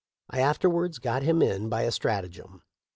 I afterwards got him in by a stratagem.